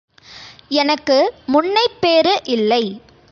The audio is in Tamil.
எனக்கு முன்னைப் பேறு இல்லை.